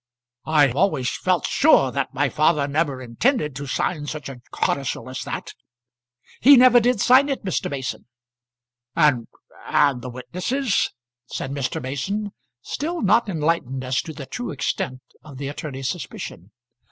"I always felt sure that my father never intended to sign such a codicil as that." "He never did sign it, Mr. Mason." "And, and the witnesses!" said Mr. Mason, still not enlightened as to the true extent of the attorney's suspicion.